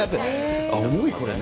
重い、これね。